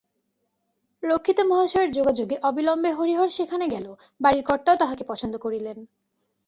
রক্ষিত মহাশয়ের যোগাযোগে অবিলম্বে হরিহর সেখানে গেল-বাড়ির কর্তাও তাহাকে পছন্দ করিলেন।